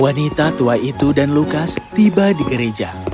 wanita tua itu dan lukas tiba di gereja